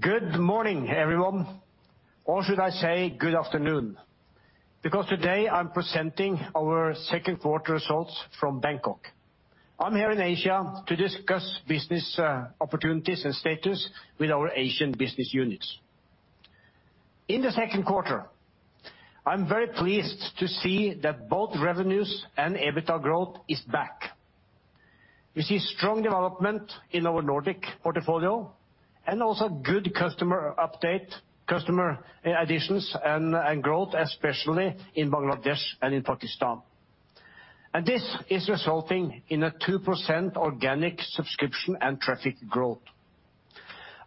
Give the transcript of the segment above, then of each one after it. Good morning, everyone. Or should I say good afternoon? Today I'm presenting our second quarter results from Bangkok. I'm here in Asia to discuss business opportunities and status with our Asian business units. In the second quarter, I'm very pleased to see that both revenues and EBITDA growth is back. We see strong development in our Nordic portfolio and also good customer update, customer additions and growth, especially in Bangladesh and in Pakistan. This is resulting in a 2% organic subscription and traffic growth.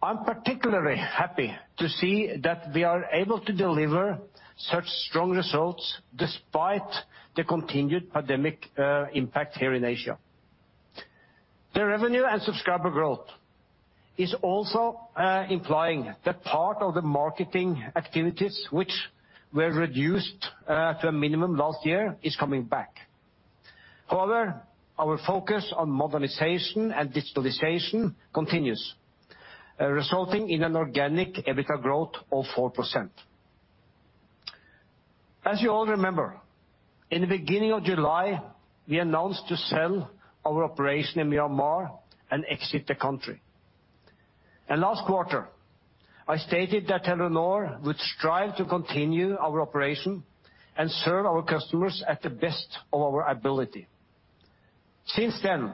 I'm particularly happy to see that we are able to deliver such strong results despite the continued pandemic impact here in Asia. The revenue and subscriber growth is also implying that part of the marketing activities which were reduced to a minimum last year is coming back. However, our focus on modernization and digitalization continues, resulting in an organic EBITDA growth of 4%. As you all remember, in the beginning of July, we announced to sell our operation in Myanmar and exit the country. Last quarter, I stated that Telenor would strive to continue our operation and serve our customers at the best of our ability. Since then,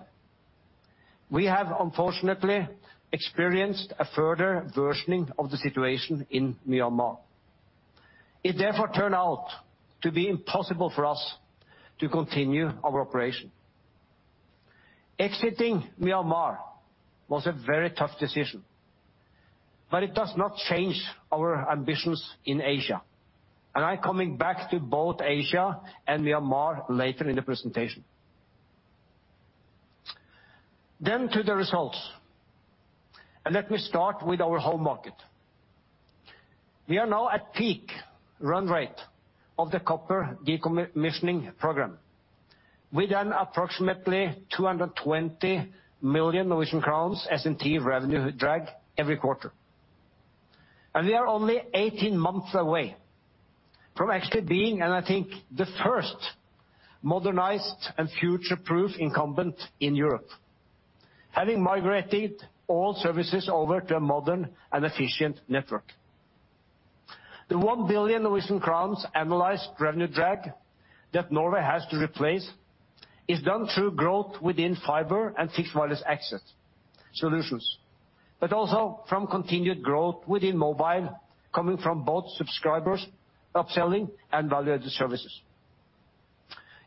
we have unfortunately experienced a further worsening of the situation in Myanmar. It therefore turned out to be impossible for us to continue our operation. Exiting Myanmar was a very tough decision, but it does not change our ambitions in Asia. I'm coming back to both Asia and Myanmar later in the presentation. To the results. Let me start with our home market. We are now at peak run rate of the copper decommissioning program with an approximately 220 million Norwegian crowns S&T revenue drag every quarter. We are only 18 months away from actually being, and I think, the first modernized and future-proof incumbent in Europe, having migrated all services over to a modern and efficient network. The 1 billion Norwegian crowns annualized revenue drag that Norway has to replace is done through growth within fiber and fixed wireless access solutions, but also from continued growth within mobile, coming from both subscribers, upselling, and value-added services.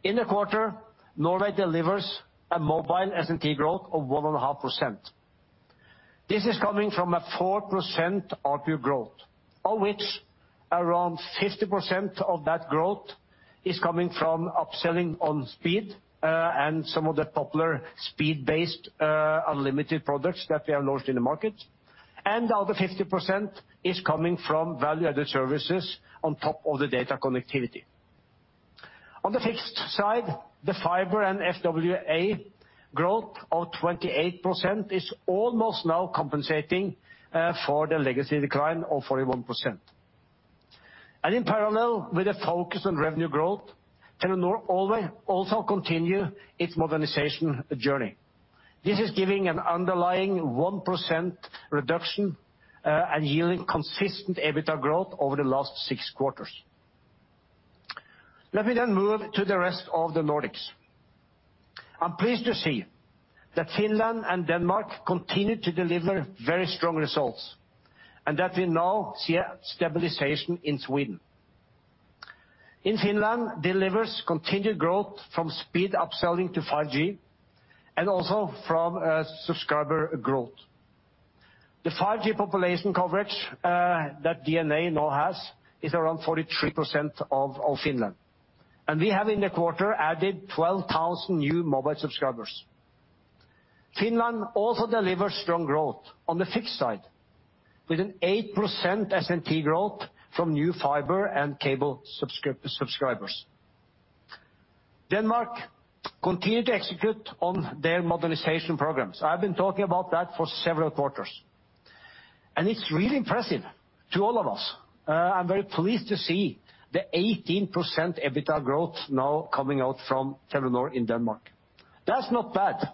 In the quarter, Norway delivers a mobile S&T growth of 1.5%. This is coming from a 4% ARPU growth, of which around 50% of that growth is coming from upselling on speed, and some of the popular speed-based unlimited products that we have launched in the market, and the other 50% is coming from value-added services on top of the data connectivity. On the fixed side, the fiber and FWA growth of 28% is almost now compensating for the legacy decline of 41%. In parallel with the focus on revenue growth, Telenor also continue its modernization journey. This is giving an underlying 1% reduction, and yielding consistent EBITDA growth over the last six quarters. Let me move to the rest of the Nordics. I'm pleased to see that Finland and Denmark continue to deliver very strong results, and that we now see a stabilization in Sweden. Finland delivers continued growth from speed upselling to 5G and also from subscriber growth. The 5G population coverage that DNA now has is around 43% of Finland, and we have in the quarter added 12,000 new mobile subscribers. Finland also delivers strong growth on the fixed side with an 8% S&T growth from new fiber and cable subscribers. Denmark continue to execute on their modernization programs. I've been talking about that for several quarters, and it's really impressive to all of us. I'm very pleased to see the 18% EBITDA growth now coming out from Telenor in Denmark. That's not bad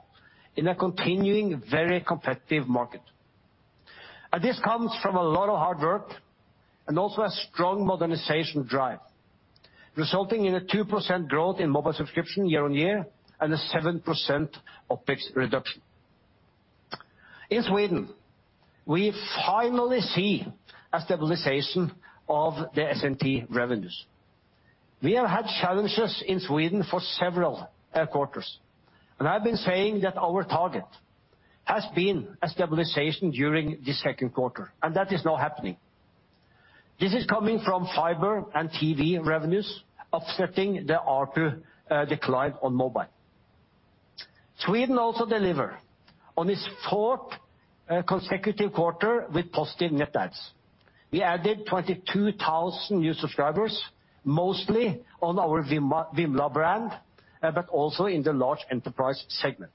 in a continuing very competitive market. This comes from a lot of hard work and also a strong modernization drive, resulting in a 2% growth in mobile subscription year-on-year and a 7% OpEx reduction. In Sweden, we finally see a stabilization of the S&T revenues. We have had challenges in Sweden for several quarters, and I've been saying that our target has been a stabilization during the second quarter, and that is now happening. This is coming from fiber and TV revenues offsetting the ARPU decline on mobile. Sweden also delivered on this fourth consecutive quarter with positive net adds. We added 22,000 new subscribers, mostly on our Vimla brand, also in the large enterprise segment.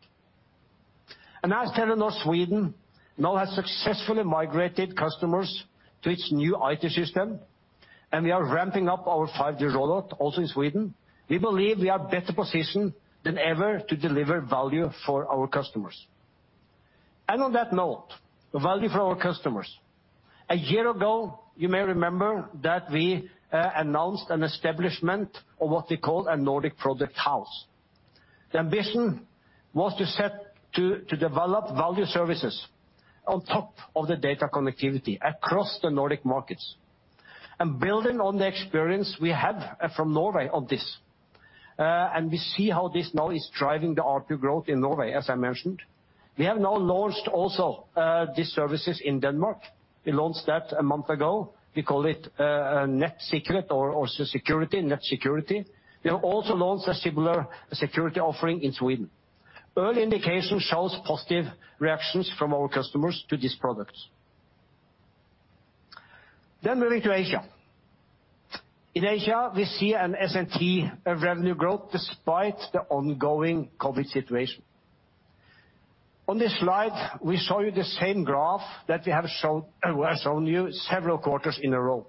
As Telenor Sweden now has successfully migrated customers to its new IT system, and we are ramping up our 5G rollout also in Sweden, we believe we are better positioned than ever to deliver value for our customers. On that note, the value for our customers. A year ago, you may remember that we announced an establishment of what we call a Nordic product house. The ambition was to develop value services on top of the data connectivity across the Nordic markets, and building on the experience we have from Norway of this. We see how this now is driving the ARPU growth in Norway, as I mentioned. We have now launched also these services in Denmark. We launched that a month ago. We call it NetSikker or Net Security. We have also launched a similar security offering in Sweden. Early indication shows positive reactions from our customers to this product. Moving to Asia. In Asia, we see an S&T revenue growth despite the ongoing COVID situation. On this slide, we show you the same graph that we have shown you several quarters in a row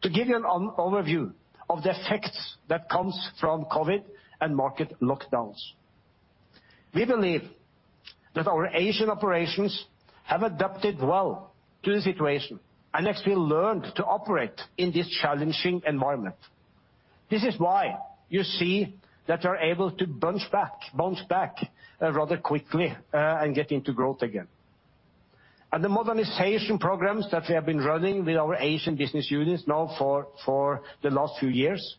to give you an overview of the effects that comes from COVID and market lockdowns. We believe that our Asian operations have adapted well to the situation, and as we learned to operate in this challenging environment. This is why you see that we are able to bounce back rather quickly and get into growth again. The modernization programs that we have been running with our Asian business units now for the last few years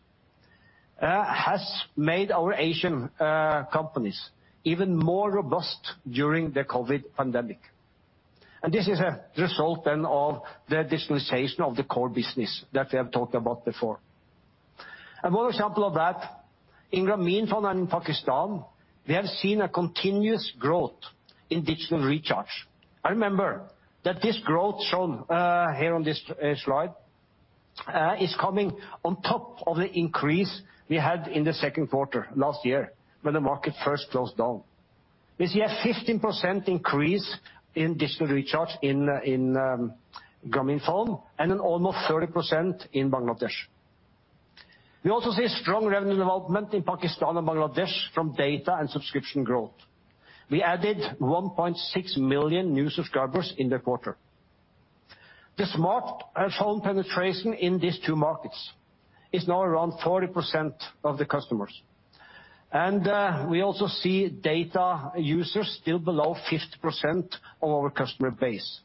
has made our Asian companies even more robust during the COVID pandemic. This is a result, then, of the digitalization of the core business that we have talked about before. Another example of that, in Grameenphone and in Pakistan, we have seen a continuous growth in digital recharge. Remember that this growth shown here on this slide is coming on top of the increase we had in the second quarter last year when the market first closed down. We see a 15% increase in digital recharge in Grameenphone and an almost 30% in Bangladesh. We also see strong revenue development in Pakistan and Bangladesh from data and subscription growth. We added 1.6 million new subscribers in the quarter. The smartphone penetration in these two markets is now around 40% of the customers. We also see data users still below 50% of our customer base.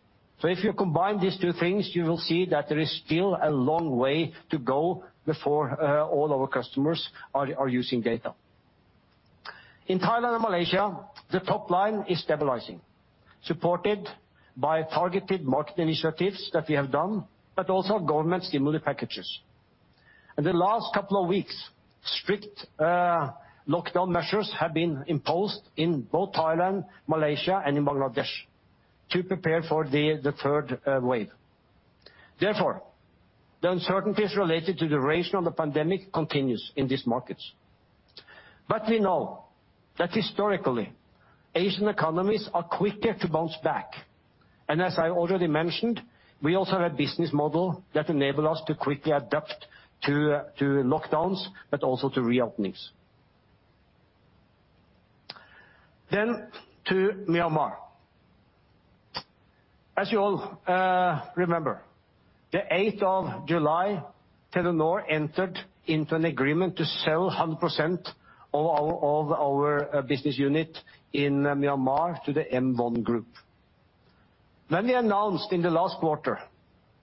If you combine these two things, you will see that there is still a long way to go before all our customers are using data. In Thailand and Malaysia, the top line is stabilizing, supported by targeted market initiatives that we have done, but also government stimuli packages. In the last couple of weeks, strict lockdown measures have been imposed in both Thailand, Malaysia, and in Bangladesh to prepare for the third wave. Therefore, the uncertainties related to the duration of the pandemic continues in these markets. We know that historically, Asian economies are quicker to bounce back. As I already mentioned, we also have a business model that enable us to quickly adapt to lockdowns, but also to re-openings. To Myanmar. As you all remember, the 8th of July, Telenor entered into an agreement to sell 100% of our business unit in Myanmar to the M1 Group. When we announced in the last quarter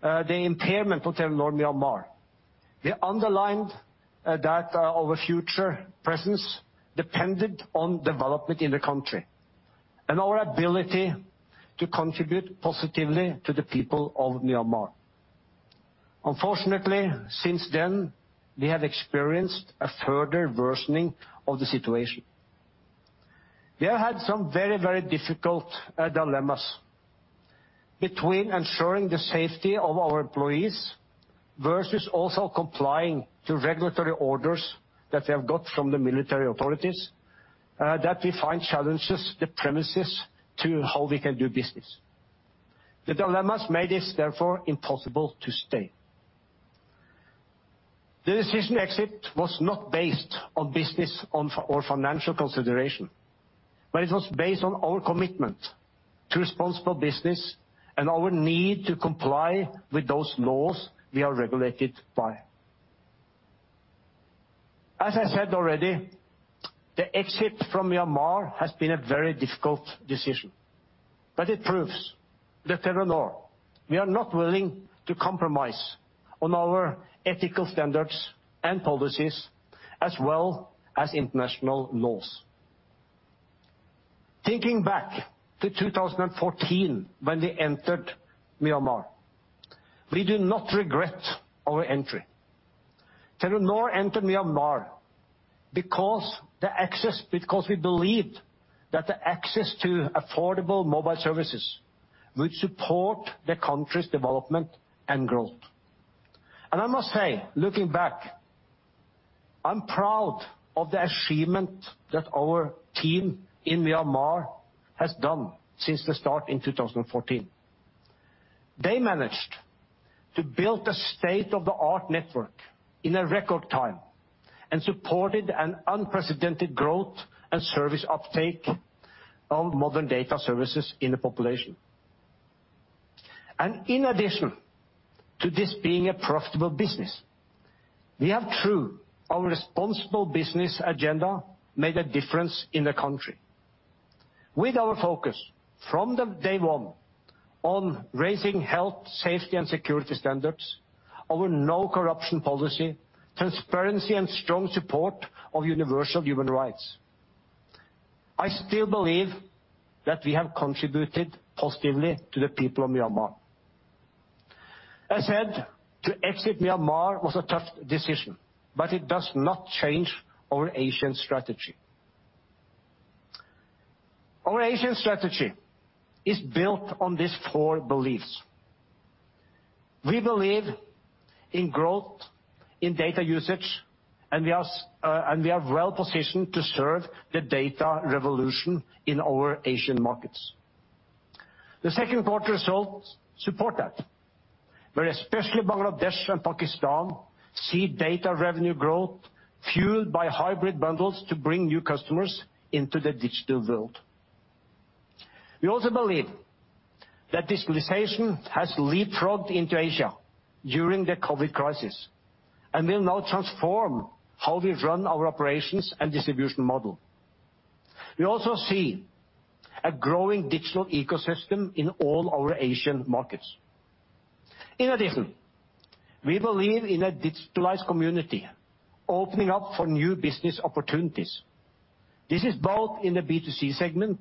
the impairment of Telenor Myanmar, we underlined that our future presence depended on development in the country and our ability to contribute positively to the people of Myanmar. Unfortunately, since then, we have experienced a further worsening of the situation. We have had some very difficult dilemmas between ensuring the safety of our employees versus also complying to regulatory orders that we have got from the military authorities that we find challenges the premises to how we can do business. The dilemmas made this therefore impossible to stay. The decision to exit was not based on business or financial consideration, but it was based on our commitment to responsible business and our need to comply with those laws we are regulated by. As I said already, the exit from Myanmar has been a very difficult decision, but it proves that Telenor, we are not willing to compromise on our ethical standards and policies as well as international laws. Thinking back to 2014 when we entered Myanmar, we do not regret our entry. Telenor entered Myanmar because we believed that the access to affordable mobile services would support the country's development and growth. I must say, looking back, I'm proud of the achievement that our team in Myanmar has done since the start in 2014. They managed to build a state-of-the-art network in a record time and supported an unprecedented growth and service uptake of modern data services in the population. In addition to this being a profitable business, we have, through our responsible business agenda, made a difference in the country, with our focus from day one on raising health, safety, and security standards, our no corruption policy, transparency, and strong support of universal human rights. I still believe that we have contributed positively to the people of Myanmar. As head, to exit Myanmar was a tough decision, but it does not change our Asian strategy. Our Asian strategy is built on these four beliefs. We believe in growth in data usage, and we are well-positioned to serve the data revolution in our Asian markets. The second quarter results support that, where especially Bangladesh and Pakistan see data revenue growth fueled by hybrid bundles to bring new customers into the digital world. We also believe that digitalization has leapfrogged into Asia during the COVID crisis and will now transform how we run our operations and distribution model. We also see a growing digital ecosystem in all our Asian markets. In addition, we believe in a digitalized community opening up for new business opportunities. This is both in the B2C segment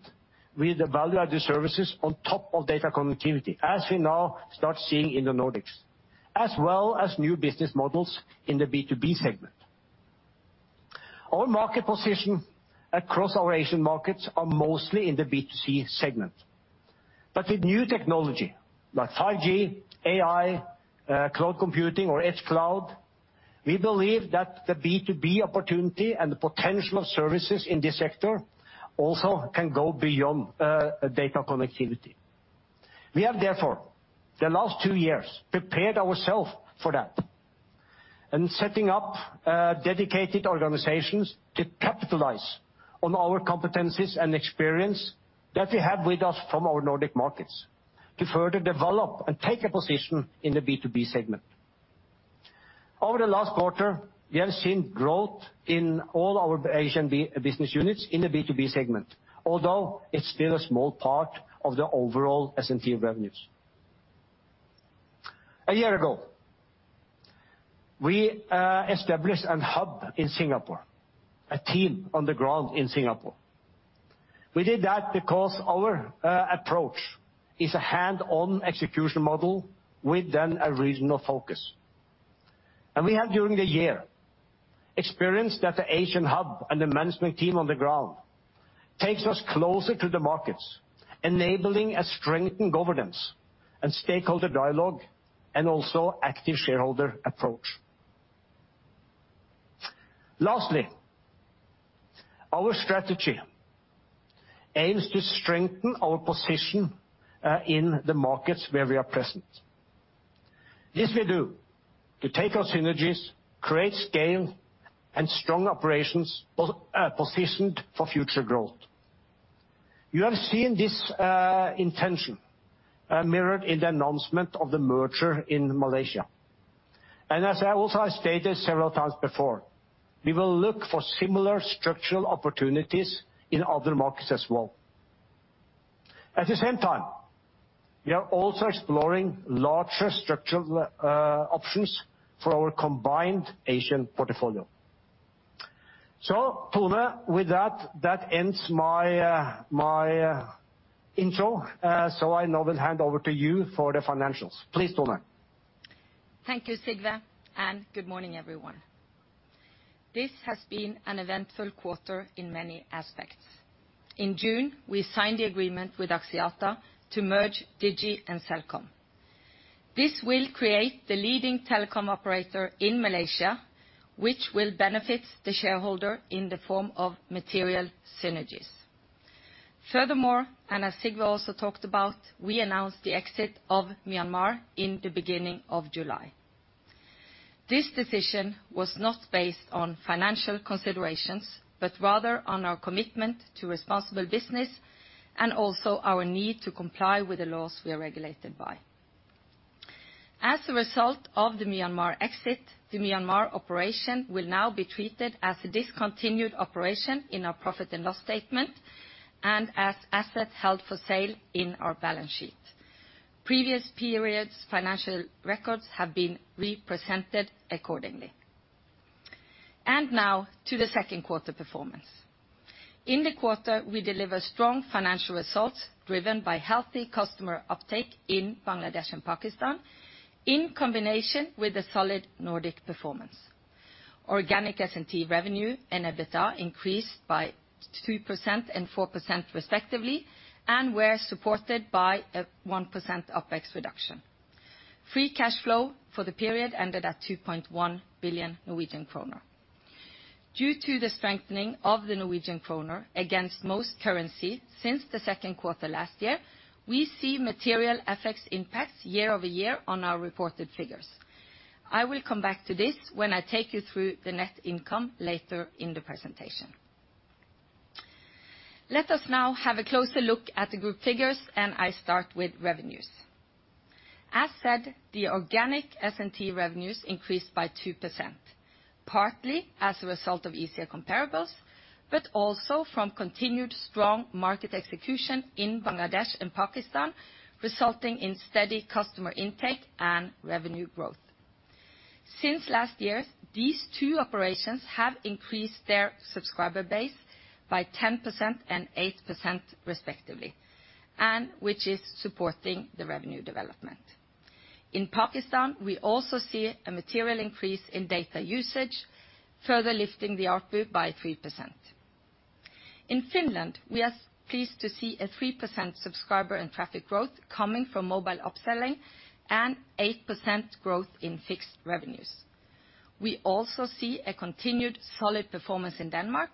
with the value-added services on top of data connectivity as we now start seeing in the Nordics, as well as new business models in the B2B segment. Our market position across our Asian markets are mostly in the B2C segment. With new technology like 5G, AI, cloud computing, or edge cloud, we believe that the B2B opportunity and the potential services in this sector also can go beyond data connectivity. We have, therefore, the last two years, prepared ourselves for that, and setting up dedicated organizations to capitalize on our competencies and experience that we have with us from our Nordic markets to further develop and take a position in the B2B segment. Over the last quarter, we have seen growth in all our Asian business units in the B2B segment, although it's still a small part of the overall S&T revenues. A year ago, we established a hub in Singapore, a team on the ground in Singapore. We did that because our approach is a hands-on execution model with then a regional focus. We have during the year experienced that the Asian hub and the management team on the ground takes us closer to the markets, enabling a strengthened governance and stakeholder dialogue, and also active shareholder approach. Lastly, our strategy aims to strengthen our position in the markets where we are present. This we do to take our synergies, create scale, and strong operations positioned for future growth. You have seen this intention mirrored in the announcement of the merger in Malaysia. As I also have stated several times before, we will look for similar structural opportunities in other markets as well. At the same time, we are also exploring larger structural options for our combined Asian portfolio. Tone, with that ends my intro. I now will hand over to you for the financials. Please, Tone. Thank you, Sigve, good morning, everyone. This has been an eventful quarter in many aspects. In June, we signed the agreement with Axiata to merge Digi and Celcom. This will create the leading telecom operator in Malaysia, which will benefit the shareholder in the form of material synergies. Furthermore, as Sigve also talked about, we announced the exit of Myanmar in the beginning of July. This decision was not based on financial considerations, but rather on our commitment to responsible business and also our need to comply with the laws we are regulated by. As a result of the Myanmar exit, the Myanmar operation will now be treated as a discontinued operation in our profit and loss statement and as asset held for sale in our balance sheet. Previous periods' financial records have been represented accordingly. Now to the second quarter performance. In the quarter, we deliver strong financial results driven by healthy customer uptake in Bangladesh and Pakistan in combination with the solid Nordic performance. Organic S&T revenue and EBITDA increased by 3% and 4% respectively, and were supported by a 1% OpEx reduction. Free cash flow for the period ended at 2.1 billion Norwegian kroner. Due to the strengthening of the Norwegian kroner against most currency since the second quarter last year, we see material effects impacts year-over-year on our reported figures. I will come back to this when I take you through the net income later in the presentation. Let us now have a closer look at the group figures, and I start with revenues. As said, the organic S&T revenues increased by 2%, partly as a result of easier comparables, but also from continued strong market execution in Bangladesh and Pakistan, resulting in steady customer intake and revenue growth. Since last year, these two operations have increased their subscriber base by 10% and 8% respectively, and which is supporting the revenue development. In Pakistan, we also see a material increase in data usage, further lifting the ARPU by 3%. In Finland, we are pleased to see a 3% subscriber and traffic growth coming from mobile upselling and 8% growth in fixed revenues. We also see a continued solid performance in Denmark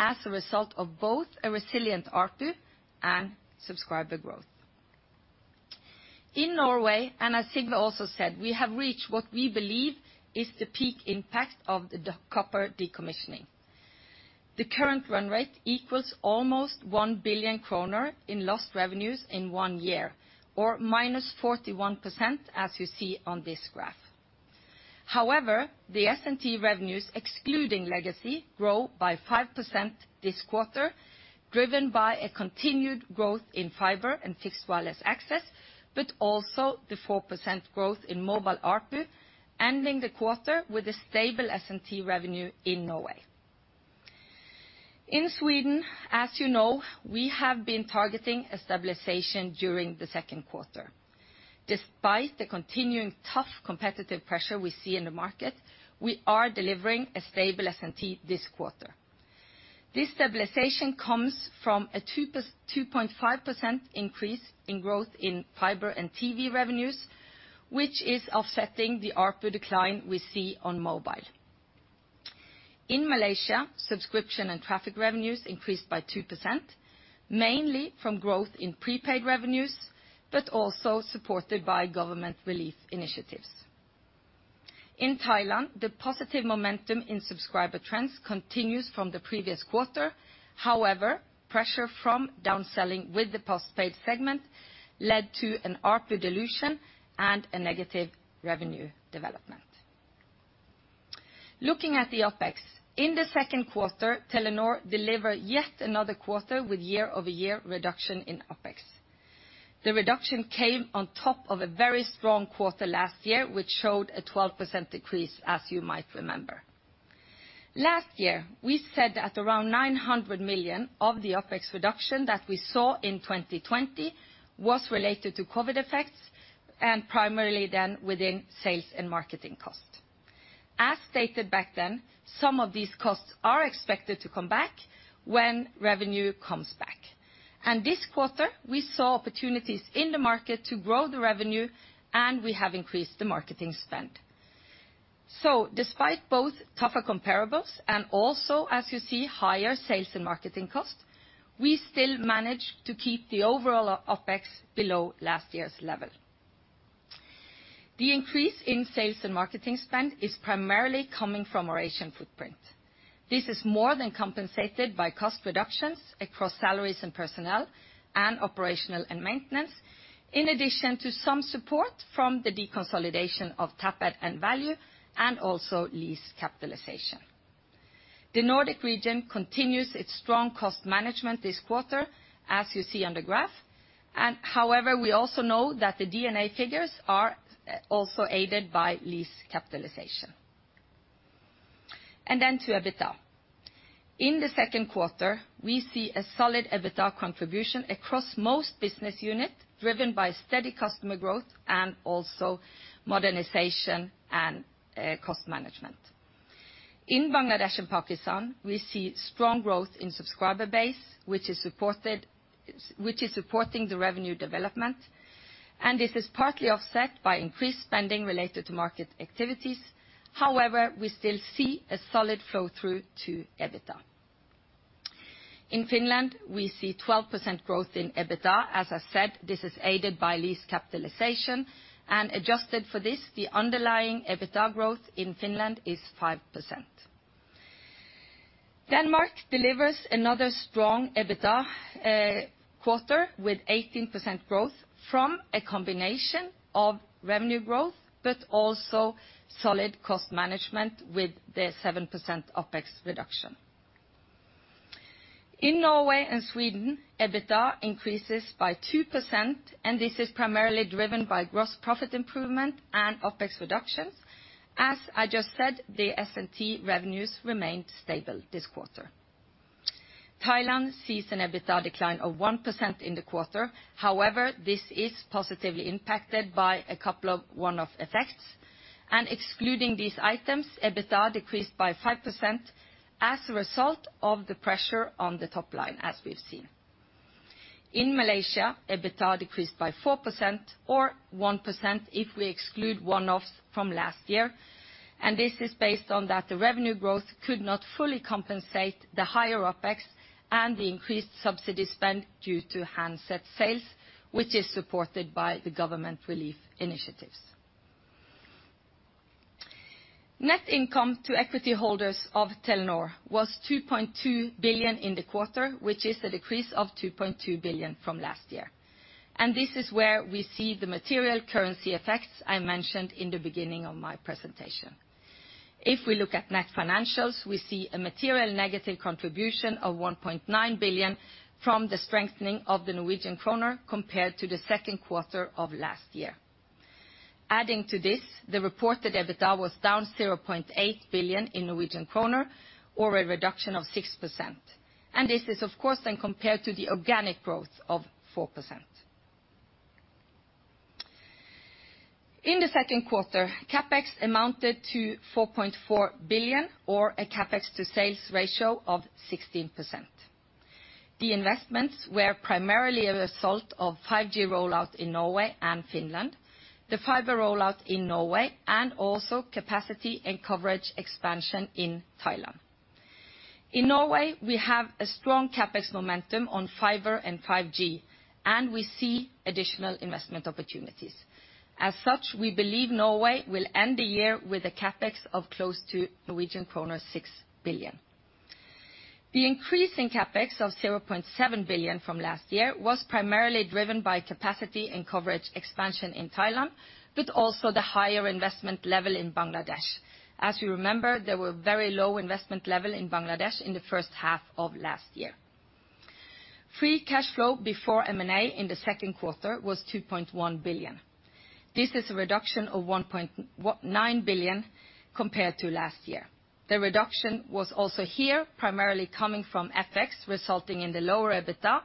as a result of both a resilient ARPU and subscriber growth. In Norway, and as Sigve also said, we have reached what we believe is the peak impact of the copper decommissioning. The current run rate equals almost 1 billion kroner in lost revenues in one year, or -41% as you see on this graph. The S&T revenues excluding legacy grow by 5% this quarter, driven by a continued growth in fiber and fixed wireless access, but also the 4% growth in mobile ARPU, ending the quarter with a stable S&T revenue in Norway. In Sweden, as you know, we have been targeting a stabilization during the second quarter. Despite the continuing tough competitive pressure we see in the market, we are delivering a stable S&T this quarter. This stabilization comes from a 2.5% increase in growth in fiber and TV revenues, which is offsetting the ARPU decline we see on mobile. In Malaysia, subscription and traffic revenues increased by 2%, mainly from growth in prepaid revenues, but also supported by government relief initiatives. In Thailand, the positive momentum in subscriber trends continues from the previous quarter. Pressure from downselling with the postpaid segment led to an ARPU dilution and a negative revenue development. Looking at the OpEx. In the second quarter, Telenor delivered yet another quarter with year-over-year reduction in OpEx. The reduction came on top of a very strong quarter last year, which showed a 12% decrease, as you might remember. Last year, we said that around 900 million of the OpEx reduction that we saw in 2020 was related to COVID effects, and primarily then within sales and marketing cost. As stated back then, some of these costs are expected to come back when revenue comes back. This quarter, we saw opportunities in the market to grow the revenue, and we have increased the marketing spend. Despite both tougher comparables and also, as you see, higher sales and marketing costs, we still manage to keep the overall OpEx below last year's level. The increase in sales and marketing spend is primarily coming from our Asian footprint. This is more than compensated by cost reductions across salaries and personnel, and operational and maintenance, in addition to some support from the deconsolidation of Tapad and Value, and also lease capitalization. The Nordic region continues its strong cost management this quarter, as you see on the graph. However, we also know that the DNA figures are also aided by lease capitalization. Then to EBITDA. In the second quarter, we see a solid EBITDA contribution across most business unit, driven by steady customer growth and also modernization and cost management. In Bangladesh and Pakistan, we see strong growth in subscriber base, which is supporting the revenue development, and this is partly offset by increased spending related to market activities. However, we still see a solid flow-through to EBITDA. In Finland, we see 12% growth in EBITDA. As I said, this is aided by lease capitalization. Adjusted for this, the underlying EBITDA growth in Finland is 5%. Denmark delivers another strong EBITDA quarter with 18% growth from a combination of revenue growth, but also solid cost management with the 7% OpEx reduction. In Norway and Sweden, EBITDA increases by 2%, and this is primarily driven by gross profit improvement and OpEx reductions. As I just said, the S&T revenues remained stable this quarter. Thailand sees an EBITDA decline of 1% in the quarter. However, this is positively impacted by a couple of one-off effects, and excluding these items, EBITDA decreased by 5% as a result of the pressure on the top line, as we've seen. In Malaysia, EBITDA decreased by 4%, or 1% if we exclude one-offs from last year. This is based on that the revenue growth could not fully compensate the higher OpEx and the increased subsidy spend due to handset sales, which is supported by the government relief initiatives. Net income to equity holders of Telenor was 2.2 billion in the quarter, which is a decrease of 2.2 billion from last year. This is where we see the material currency effects I mentioned in the beginning of my presentation. If we look at net financials, we see a material negative contribution of 1.9 billion from the strengthening of the Norwegian kroner compared to the second quarter of last year. Adding to this, the reported EBITDA was down 0.8 billion, or a reduction of 6%. This is, of course, then compared to the organic growth of 4%. In the second quarter, CapEx amounted to 4.4 billion, or a CapEx to sales ratio of 16%. The investments were primarily a result of 5G rollout in Norway and Finland, the fiber rollout in Norway, and also capacity and coverage expansion in Thailand. In Norway, we have a strong CapEx momentum on fiber and 5G, and we see additional investment opportunities. As such, we believe Norway will end the year with a CapEx of close to Norwegian kroner 6 billion. The increase in CapEx of 0.7 billion from last year was primarily driven by capacity and coverage expansion in Thailand, but also the higher investment level in Bangladesh. You remember, there were very low investment level in Bangladesh in the first half of last year. Free cash flow before M&A in the second quarter was 2.1 billion. This is a reduction of 1.9 billion compared to last year. The reduction was also here primarily coming from FX resulting in the lower EBITDA,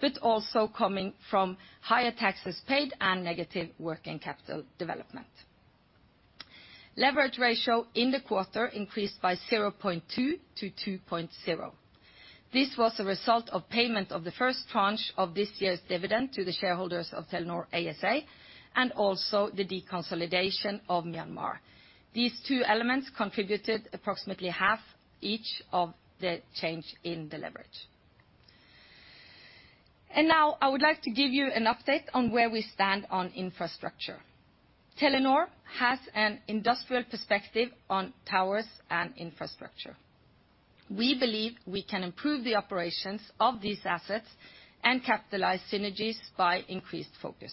but also coming from higher taxes paid and negative working capital development. Leverage ratio in the quarter increased by 0.2%-2.0%. This was a result of payment of the first tranche of this year's dividend to the shareholders of Telenor ASA, and also the deconsolidation of Myanmar. These two elements contributed approximately half each of the change in the leverage. Now I would like to give you an update on where we stand on infrastructure. Telenor has an industrial perspective on towers and infrastructure. We believe we can improve the operations of these assets and capitalize synergies by increased focus.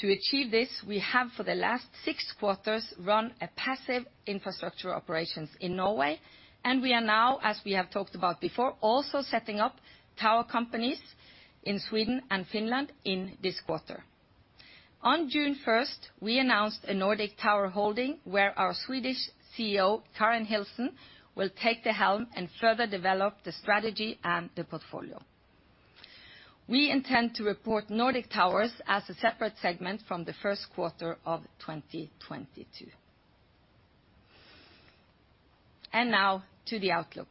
To achieve this, we have for the last six quarters run a passive infrastructure operations in Norway, and we are now, as we have talked about before, also setting up tower companies in Sweden and Finland in this quarter. On June 1st, we announced a Nordic tower holding where our Swedish CEO, Kaaren Hilsen, will take the helm and further develop the strategy and the portfolio. We intend to report Nordic Towers as a separate segment from the first quarter of 2022. Now to the outlook.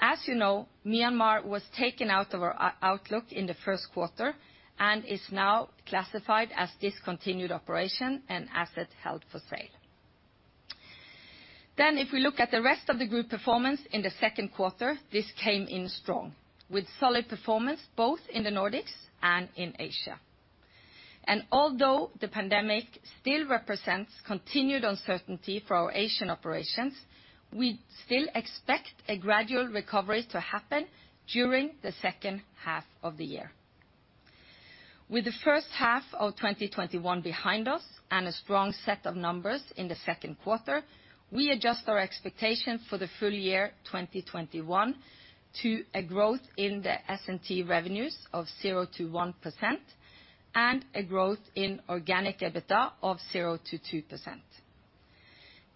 As you know, Myanmar was taken out of our outlook in the first quarter and is now classified as discontinued operation and asset held for sale. If we look at the rest of the group performance in the second quarter, this came in strong with solid performance both in the Nordics and in Asia. Although the pandemic still represents continued uncertainty for our Asian operations, we still expect a gradual recovery to happen during the second half of the year. With the first half of 2021 behind us and a strong set of numbers in the second quarter, we adjust our expectations for the full year 2021 to a growth in the S&T revenues of 0%-1% and a growth in organic EBITDA of 0%-2%.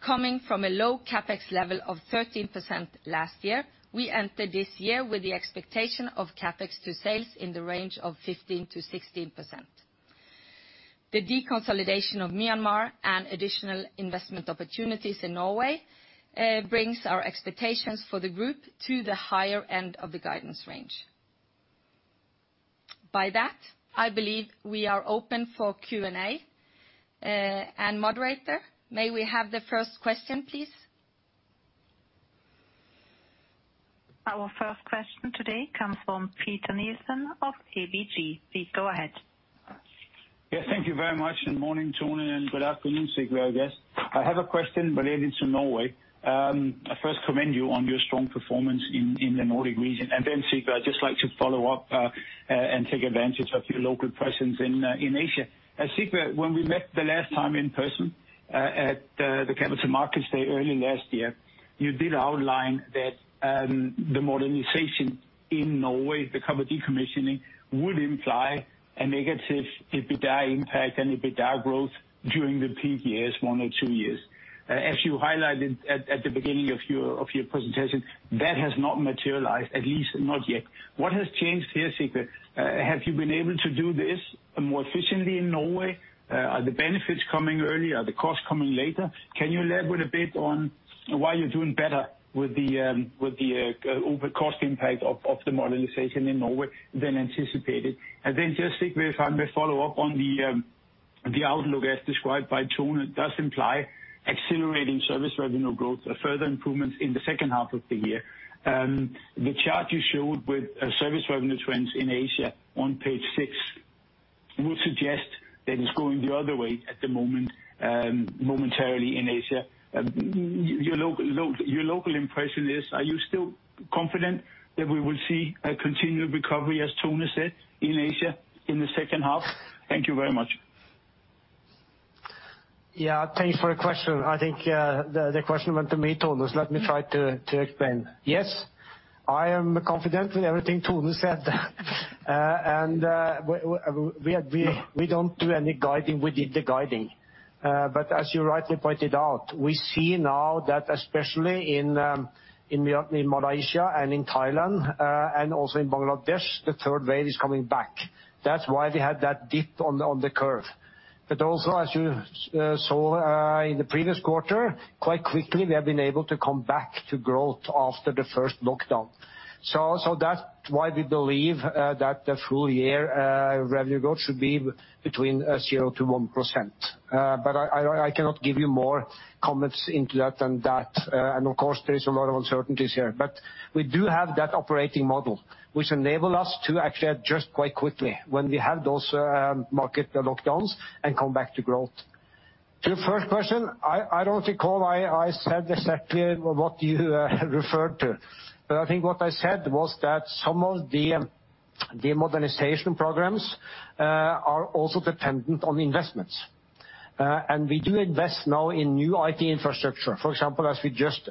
Coming from a low CapEx level of 13% last year, we enter this year with the expectation of CapEx to sales in the range of 15%-16%. The deconsolidation of Myanmar and additional investment opportunities in Norway brings our expectations for the group to the higher end of the guidance range. By that, I believe we are open for Q and A. Moderator, may we have the first question, please? Our first question today comes from Peter Nielsen of ABG. Please go ahead. Yes, thank you very much, and morning, Tone, and good afternoon, Sigve, I guess. I have a question related to Norway. I first commend you on your strong performance in the Nordic region, and then Sigve, I'd just like to follow up and take advantage of your local presence in Asia. Sigve, when we met the last time in person at the capital markets day early last year, you did outline that the modernization in Norway, the copper decommissioning, would imply a negative EBITDA impact and EBITDA growth during the peak years, one or two years. As you highlighted at the beginning of your presentation, that has not materialized, at least not yet. What has changed here, Sigve? Have you been able to do this more efficiently in Norway? Are the benefits coming early? Are the costs coming later? Can you elaborate a bit on why you're doing better with the overall cost impact of the modernization in Norway than anticipated? Then just, Sigve, if I may follow up on the outlook as described by Tone, it does imply accelerating service revenue growth or further improvements in the second half of the year. The chart you showed with service revenue trends in Asia on page six would suggest that it's going the other way at the moment, momentarily in Asia. Your local impression is, are you still confident that we will see a continued recovery, as Tone said, in Asia in the second half? Thank you very much. Yeah, thanks for the question. I think the question went to me, Tone. Let me try to explain. Yes, I am confident with everything Tone said. We don't do any guiding. We did the guiding. As you rightly pointed out, we see now that especially in Malaysia and in Thailand, and also in Bangladesh, the third wave is coming back. That's why we had that dip on the curve. Also, as you saw in the previous quarter, quite quickly, we have been able to come back to growth after the first lockdown. That's why we believe that the full year revenue growth should be between 0%-1%. I cannot give you more comments into that than that. Of course, there is a lot of uncertainties here. We do have that operating model which enable us to actually adjust quite quickly when we have those market lockdowns and come back to growth. To your first question, I don't recall I said exactly what you referred to. I think what I said was that some of the modernization programs are also dependent on investments. We do invest now in new IT infrastructure. For example, as we just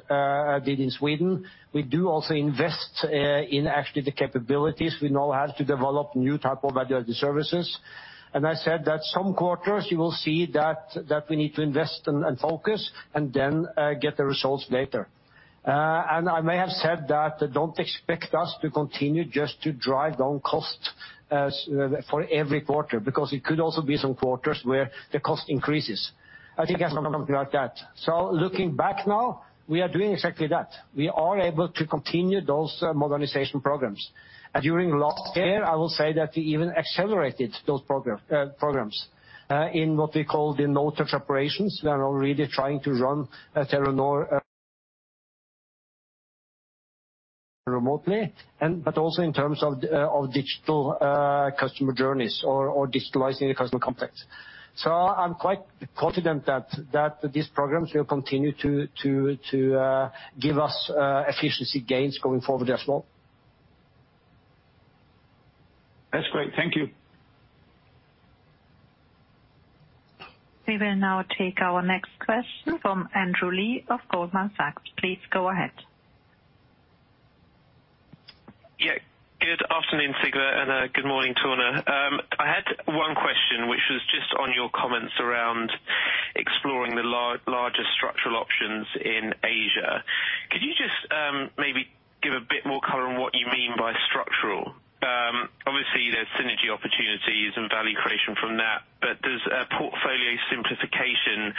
did in Sweden, we do also invest in actually the capabilities we now have to develop new type of value-added services. I said that some quarters you will see that we need to invest and focus, and then get the results later. I may have said that don't expect us to continue just to drive down cost for every quarter, because it could also be some quarters where the cost increases. I think I said something like that. Looking back now, we are doing exactly that. We are able to continue those modernization programs. During last year, I will say that we even accelerated those programs in what we call the no-touch operations. We are already trying to run Telenor remotely, but also in terms of digital customer journeys or digitalizing the customer contacts. I'm quite confident that these programs will continue to give us efficiency gains going forward as well. That's great. Thank you. We will now take our next question from Andrew Lee of Goldman Sachs. Please go ahead. Yeah. Good afternoon, Sigve, and good morning, Tone. I had one question, which was just on your comments around exploring the larger structural options in Asia. Could you just maybe give a bit more color on what you mean by structural? Obviously, there's synergy opportunities and value creation from that, but does portfolio simplification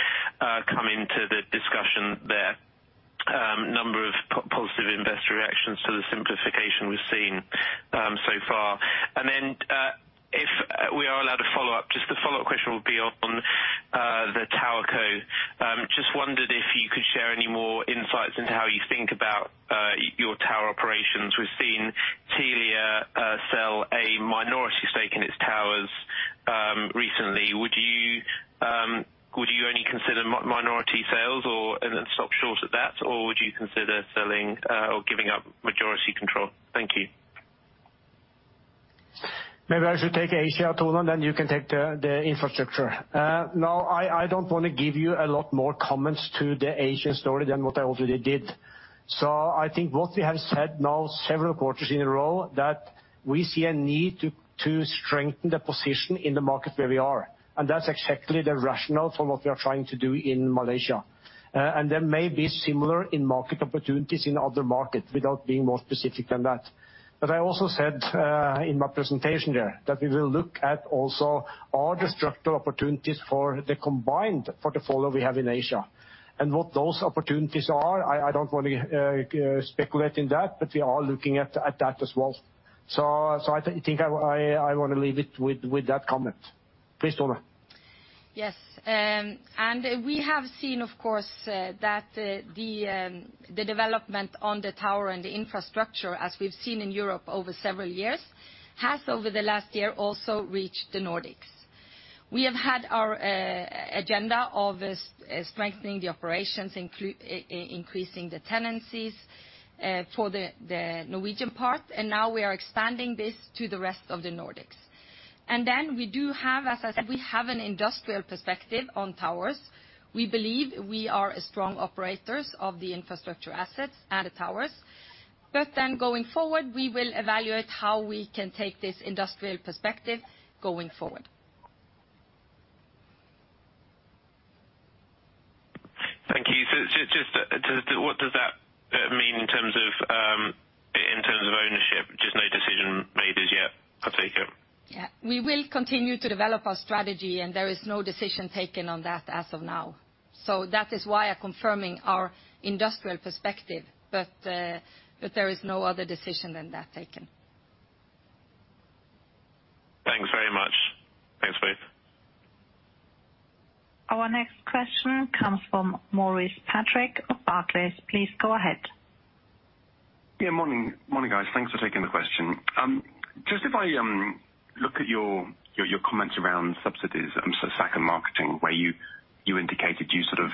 come into the discussion there? Number of positive investor reactions to the simplification we've seen so far. If we are allowed a follow-up, just the follow-up question will be on the TowerCo. Just wondered if you could share any more insights into how you think about your tower operations. We've seen Telia sell a minority stake in its towers recently. Would you only consider minority sales and then stop short at that? Would you consider selling or giving up majority control? Thank you. Maybe I should take Asia, Tone, and then you can take the infrastructure. I don't want to give you a lot more comments to the Asia story than what I already did. I think what we have said now several quarters in a row, that we see a need to strengthen the position in the market where we are. That's exactly the rationale for what we are trying to do in Malaysia. There may be similar in market opportunities in other markets without being more specific than that. I also said in my presentation there that we will look at also are the structural opportunities for the combined portfolio we have in Asia. What those opportunities are, I don't want to speculate in that, but we are looking at that as well. I think I want to leave it with that comment. Please, Tone. Yes. We have seen, of course, that the development on the tower and the infrastructure, as we've seen in Europe over several years, has over the last year also reached the Nordics. We have had our agenda of strengthening the operations, increasing the tenancies for the Norwegian part, and now we are expanding this to the rest of the Nordics. We do have, as I said, we have an industrial perspective on towers. We believe we are strong operators of the infrastructure assets and the towers. Going forward, we will evaluate how we can take this industrial perspective going forward. Thank you. Just what does that mean in terms of ownership? Just no decision made as yet, I take it. Yeah. We will continue to develop our strategy, and there is no decision taken on that as of now. That is why I'm confirming our industrial perspective, but there is no other decision than that taken. Thanks very much. Thanks, both. Our next question comes from Maurice Patrick of Barclays. Please go ahead. Yeah, morning. Morning, guys. Thanks for taking the question. If I look at your comments around subsidies and SAC and marketing, where you indicated you sort of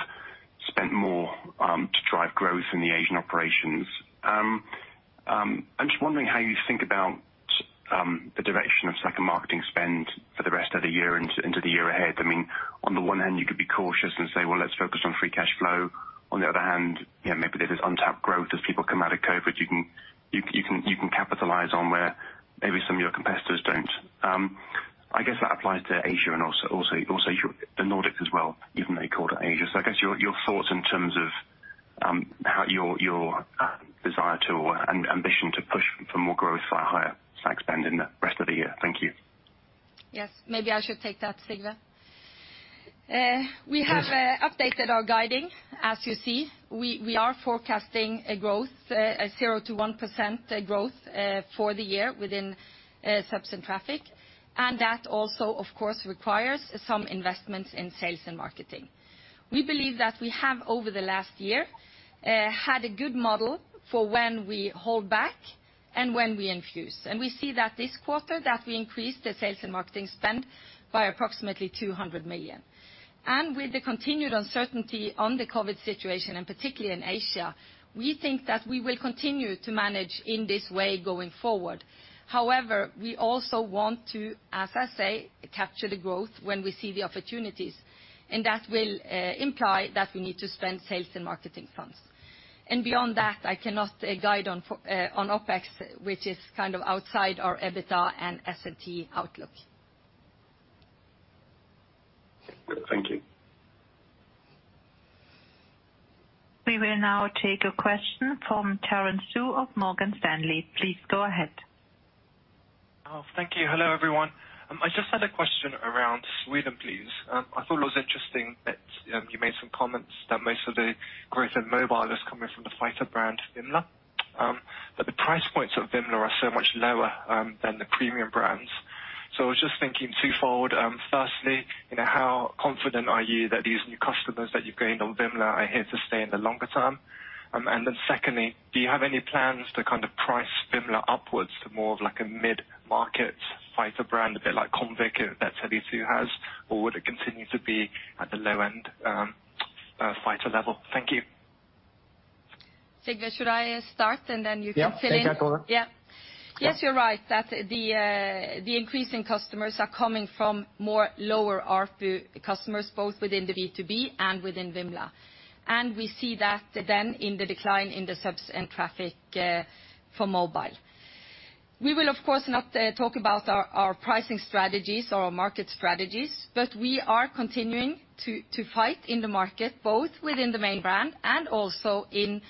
spent more to drive growth in the Asian operations. I'm just wondering how you think about the direction of SAC and marketing spend for the rest of the year into the year ahead. I mean, on the one hand, you could be cautious and say, Well, let's focus on free cash flow. On the other hand, maybe there's this untapped growth as people come out of COVID, you can capitalize on where maybe some of your competitors don't. I guess that applies to Asia and also the Nordics as well, even though you called it Asia. I guess your thoughts in terms of how your desire to or ambition to push for more growth, far higher SAC spend in the rest of the year? Thank you. Yes. Maybe I should take that, Sigve. We have updated our guiding. As you see, we are forecasting a 0%-1% growth for the year within subs and traffic. That also, of course, requires some investments in sales and marketing. We believe that we have, over the last year, had a good model for when we hold back and when we infuse. We see that this quarter, that we increased the sales and marketing spend by approximately 200 million. With the continued uncertainty on the COVID situation, and particularly in Asia, we think that we will continue to manage in this way going forward. However, we also want to, as I say, capture the growth when we see the opportunities, and that will imply that we need to spend sales and marketing funds. Beyond that, I cannot guide on OPEX, which is outside our EBITDA and S&T outlooks. Thank you. We will now take a question from Terence Tsui of Morgan Stanley. Please go ahead. Thank you. Hello, everyone. I just had a question around Sweden, please. I thought it was interesting that you made some comments that most of the growth in mobile is coming from the fighter brand, Vimla. The price points of Vimla are so much lower than the premium brands. I was just thinking twofold. Firstly, how confident are you that these new customers that you've gained on Vimla are here to stay in the longer term? Secondly, do you have any plans to price Vimla upwards to more of like a mid-market fighter brand, a bit like Comviq that Tele2 has? Would it continue to be at the low-end fighter level? Thank you. Sigve, should I start and then you can fill in? You can start, Tone. Yes, you're right that the increasing customers are coming from more lower ARPU customers, both within the B2B and within Vimla. We see that in the decline in the subs and traffic for mobile. We will, of course, not talk about our pricing strategies or our market strategies, but we are continuing to fight in the market, both within the main brand and also in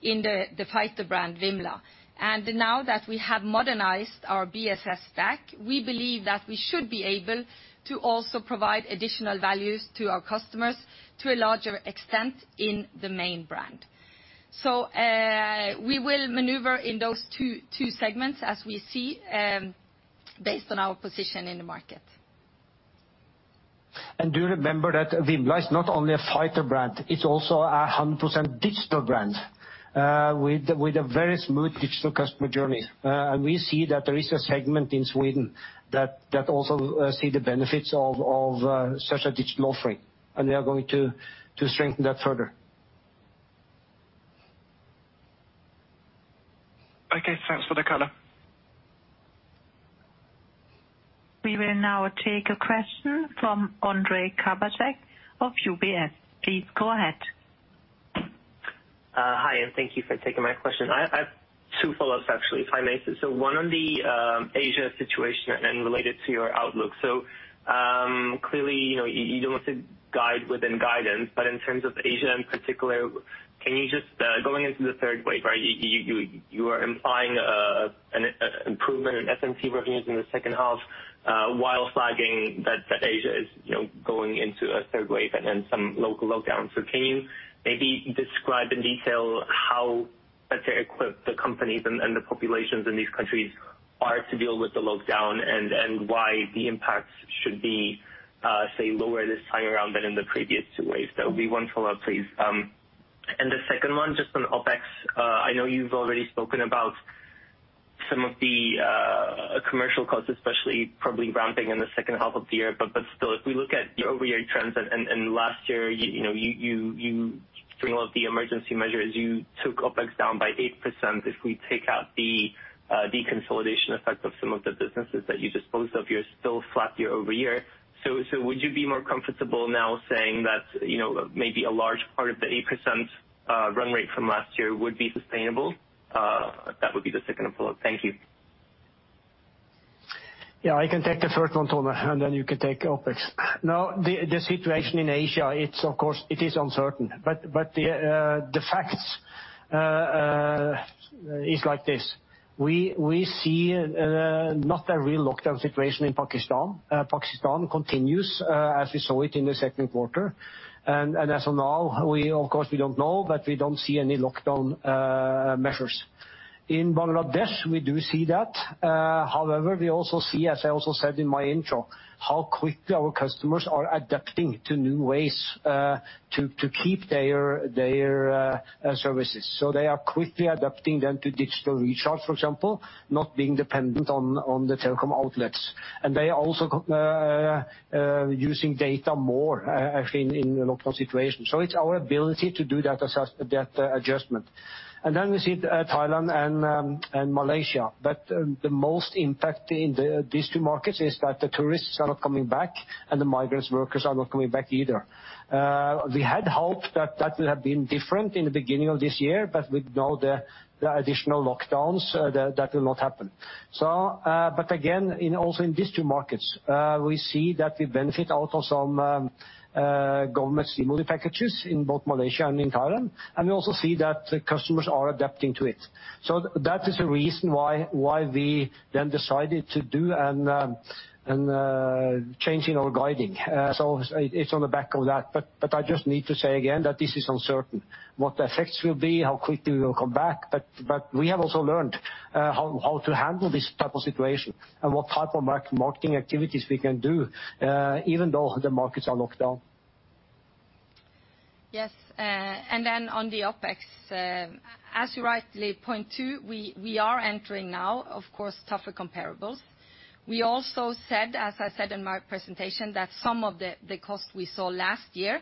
the fighter brand, Vimla. Now that we have modernized our BSS stack, we believe that we should be able to also provide additional values to our customers to a larger extent in the main brand. We will maneuver in those two segments as we see based on our position in the market. Do remember that Vimla is not only a fighter brand, it is also 100% digital brand, with a very smooth digital customer journey. We see that there is a segment in Sweden that also see the benefits of such a digital offering, and we are going to strengthen that further. Okay. Thanks for the color. We will now take a question from Ondrej Cabejsek of UBS. Please go ahead. Hi, thank you for taking my question. I have two follow-ups actually, if I may. One on the Asia situation and related to your outlook. Clearly, you don't want to guide within guidance, but in terms of Asia in particular, going into the third wave, you are implying an improvement in S&T revenues in the second half, while flagging that Asia is going into a third wave and then some local lockdowns. Can you maybe describe in detail how well equipped the companies and the populations in these countries are to deal with the lockdown, and why the impact should be say lower this time around than in the previous two waves. That would be one follow-up, please. The second one, just on OpEx. I know you've already spoken about some of the commercial costs, especially probably ramping in the second half of the year. Still, if we look at the year-over-year trends and last year, you bring a lot of the emergency measures, you took OpEx down by 8%. If we take out the deconsolidation effect of some of the businesses that you disposed of, you're still flat year-over-year. Would you be more comfortable now saying that maybe a large part of the 8% run rate from last year would be sustainable? That would be the second follow-up. Thank you. Yeah, I can take the first one, Tone, and then you can take OpEx. Now, the situation in Asia, of course it is uncertain. The facts is like this. We see not a real lockdown situation in Pakistan. Pakistan continues, as we saw it in the second quarter. As of now, of course we don't know, but we don't see any lockdown measures. In Bangladesh, we do see that. However, we also see, as I also said in my intro, how quickly our customers are adapting to new ways, to keep their services. They are quickly adapting then to digital recharge, for example, not being dependent on the telecom outlets. They are also using data more, actually, in lockdown situation. It's our ability to do that adjustment. We see Thailand and Malaysia. The most impact in these two markets is that the tourists are not coming back and the migrant workers are not coming back either. We had hoped that would have been different in the beginning of this year, but with now the additional lockdowns, that will not happen. Again, also in these two markets, we see that we benefit out of some government stimuli packages in both Malaysia and in Thailand, and we also see that customers are adapting to it. That is the reason why we then decided to do and changing our guidance. It's on the back of that. I just need to say again that this is uncertain what the effects will be, how quickly we will come back. We have also learned how to handle this type of situation and what type of marketing activities we can do, even though the markets are locked down. Yes. On the OpEx, as you rightly point to, we are entering now, of course, tougher comparables. We also said, as I said in my presentation, that some of the cost we saw last year,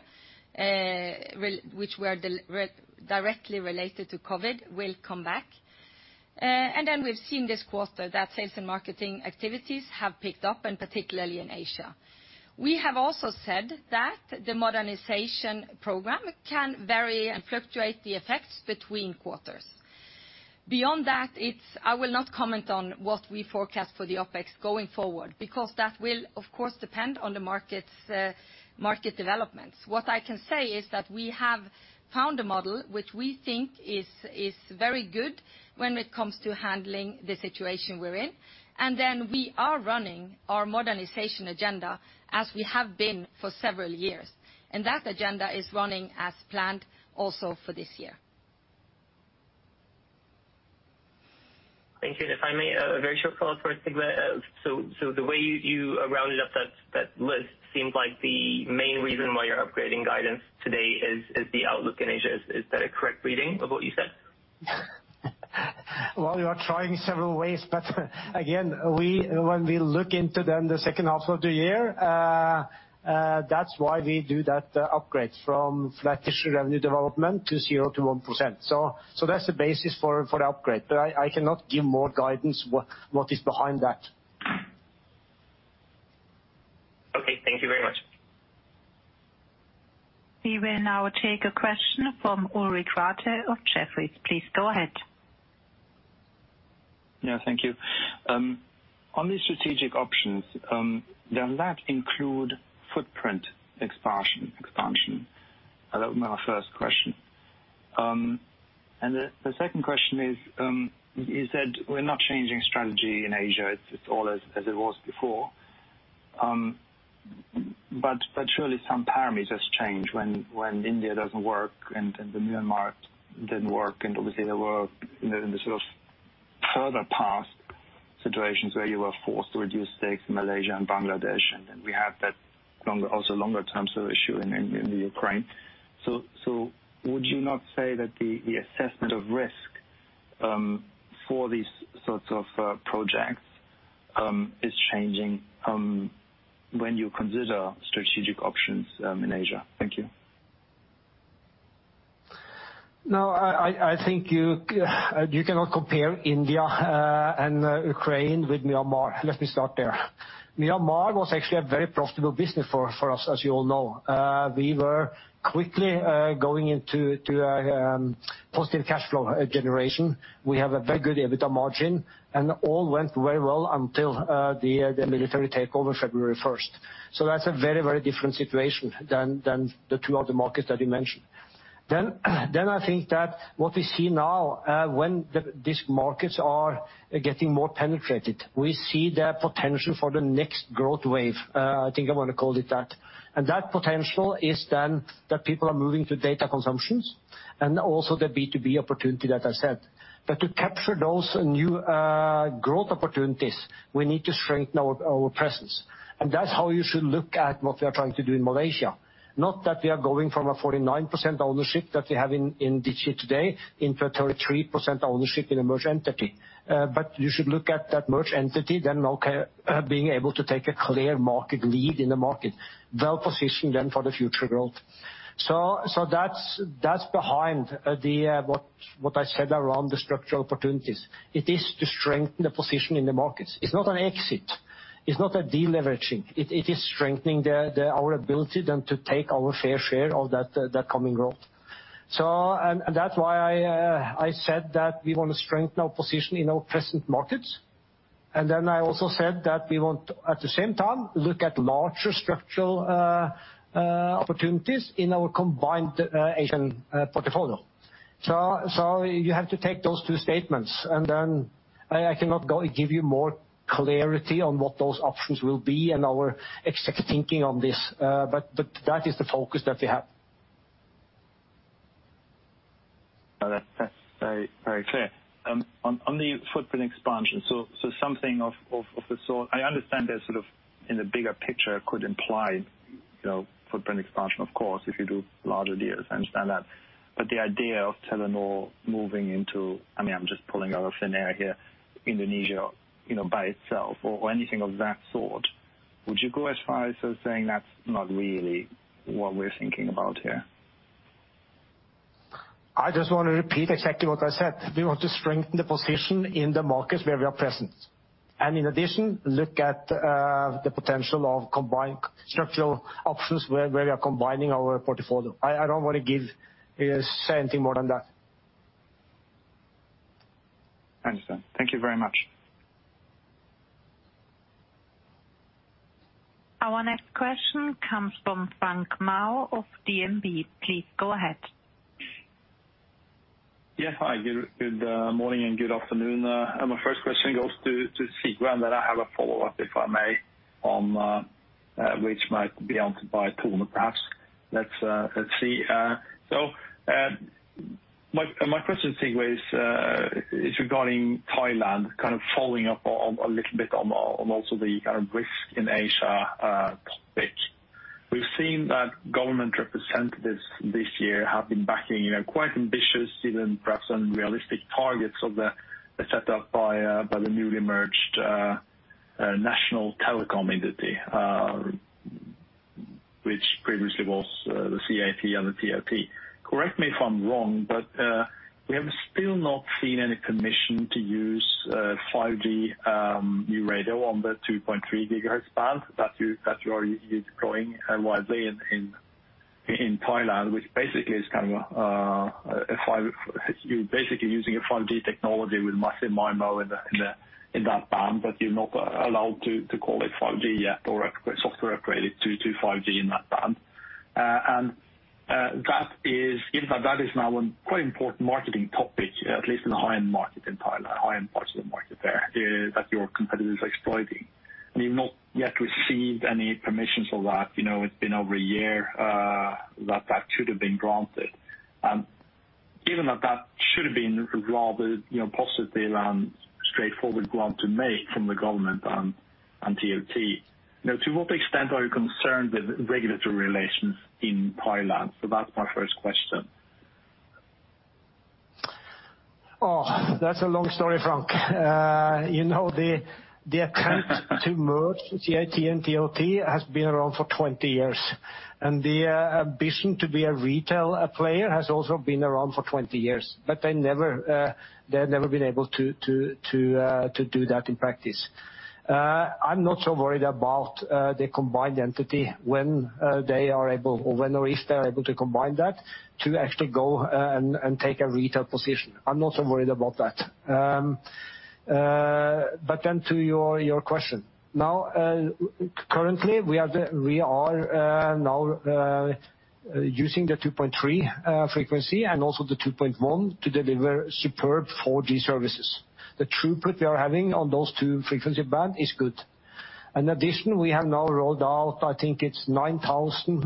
which were directly related to COVID, will come back. We've seen this quarter that sales and marketing activities have picked up, and particularly in Asia. We have also said that the modernization program can vary and fluctuate the effects between quarters. Beyond that, I will not comment on what we forecast for the OpEx going forward, because that will, of course, depend on the market developments. What I can say is that we have found a model which we think is very good when it comes to handling the situation we're in. We are running our modernization agenda as we have been for several years, and that agenda is running as planned also for this year. Thank you. If I may, a very short follow-up for Sigve. The way you rounded up that list seems like the main reason why you're upgrading guidance today is the outlook in Asia. Is that a correct reading of what you said? Well, you are trying several ways. Again, when we look into the second half of the year, that's why we do that upgrade from flat to revenue development to 0%-1%. That's the basis for the upgrade. I cannot give more guidance what is behind that. Okay. Thank you very much. We will now take a question from Ulrich Rathe of Jefferies. Please go ahead. Yeah, thank you. On the strategic options, does that include footprint expansion? That would be my first question. The second question is, you said we're not changing strategy in Asia. It's all as it was before. Surely some parameters change when India doesn't work and the Myanmar didn't work, and obviously there were in the sort of further past situations where you were forced to reduce stakes in Malaysia and Bangladesh, and then we have that also longer term sort of issue in the Ukraine. Would you not say that the assessment of risk for these sorts of projects is changing when you consider strategic options in Asia? Thank you. No, I think you cannot compare India and Ukraine with Myanmar. Let me start there. Myanmar was actually a very profitable business for us, as you all know. We were quickly going into a positive cash flow generation. We have a very good EBITDA margin, and all went very well until the military takeover February 1st. That's a very different situation than the two other markets that you mentioned. I think that what we see now, when these markets are getting more penetrated, we see the potential for the next growth wave. I think I want to call it that. That potential is then that people are moving to data consumptions. Also the B2B opportunity that I said. To capture those new growth opportunities, we need to strengthen our presence. That's how you should look at what we are trying to do in Malaysia. Not that we are going from a 49% ownership that we have in Digi today into a 33% ownership in a merged entity. You should look at that merged entity then, okay, being able to take a clear market lead in the market, well-positioned then for the future growth. That's behind what I said around the structural opportunities. It is to strengthen the position in the markets. It's not an exit, it's not a deleveraging, it is strengthening our ability then to take our fair share of that coming growth. That's why I said that we want to strengthen our position in our present markets, and then I also said that we want to, at the same time, look at larger structural opportunities in our combined Asian portfolio. You have to take those two statements, and then I cannot give you more clarity on what those options will be and our exact thinking on this. That is the focus that we have. No, that's very clear. On the footprint expansion, something of the sort, I understand that sort of in the bigger picture could imply footprint expansion, of course, if you do larger deals, I understand that. The idea of Telenor moving into, I'm just pulling out of thin air here, Indonesia by itself or anything of that sort, would you go as far as saying that's not really what we're thinking about here? I just want to repeat exactly what I said. We want to strengthen the position in the markets where we are present. In addition, look at the potential of combined structural options where we are combining our portfolio. I don't want to say anything more than that. I understand. Thank you very much. Our next question comes from Frank Maaø of DNB. Please go ahead. Yeah. Hi, good morning and good afternoon. My first question goes to Sigve, and then I have a follow-up, if I may, which might be answered by Tone perhaps. Let's see. My question, Sigve, is regarding Thailand, kind of following up a little bit on also the risk in Asia topic. We've seen that government representatives this year have been backing quite ambitious, even perhaps unrealistic targets set up by the newly merged national telecom entity, which previously was the CAT and the TOT. Correct me if I'm wrong, but we have still not seen any permission to use 5G new radio on the 2.3 gigahertz band that you are deploying widely in Thailand, which you're basically using a 5G technology with massive MIMO in that band, but you're not allowed to call it 5G yet or software upgrade it to 5G in that band. Given that is now a quite important marketing topic, at least in the high-end market in Thailand, high-end parts of the market there, that your competitor is exploiting, and you've not yet received any permissions for that. It's been over a year that that should have been granted. Given that that should have been rather positively and straightforward grant to make from the government and TOT, to what extent are you concerned with regulatory relations in Thailand? That's my first question. That's a long story, Frank. The attempt to merge CAT and TOT has been around for 20 years, and the ambition to be a retail player has also been around for 20 years. They've never been able to do that in practice. I'm not so worried about the combined entity when or if they are able to combine that to actually go and take a retail position. I'm not so worried about that. To your question. Currently we are now using the 2.3 frequency and also the 2.1 to deliver superb 4G services. The throughput we are having on those two frequency band is good. In addition, we have now rolled out, I think it's 9,000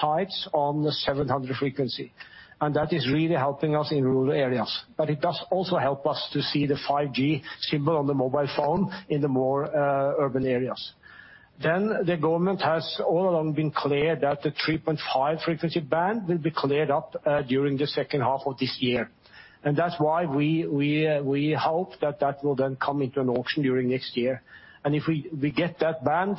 sites on the 700 frequency, and that is really helping us in rural areas. It does also help us to see the 5G symbol on the mobile phone in the more urban areas. The government has all along been clear that the 3.5 frequency band will be cleared up during the second half of this year. That's why we hope that that will then come into an auction during next year. If we get that band,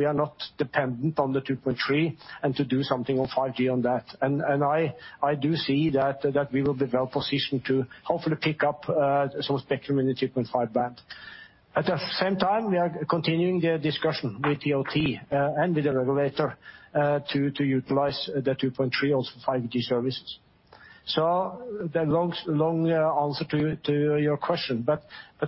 we are not dependent on the 2.3 and to do something on 5G on that. I do see that we will be well-positioned to hopefully pick up some spectrum in the 3.5 band. At the same time, we are continuing the discussion with TOT and with the regulator to utilize the 2.3 also for 5G services. The long answer to your question, but